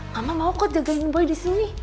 mama mau kok jagain boy di sini